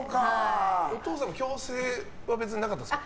お父さんの強制はなかったですか？